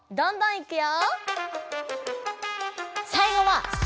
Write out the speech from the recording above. いくよ。